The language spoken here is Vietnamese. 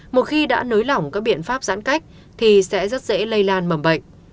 một khi đã nới lỏng các biện pháp giãn cách thì sẽ rất dễ lây lan mầm bệnh